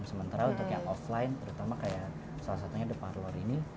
sementara untuk yang offline terutama kayak salah satunya the parler ini